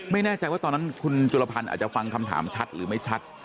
ไม่แน่ใจว่าตอนนั้นคุณจุลพันธ์อาจจะฟังคำถามชัดหรือไม่ชัด